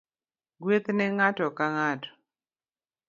Gweth ne ngato ka ngato